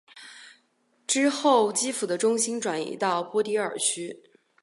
之后基辅的中心转移到波迪尔区。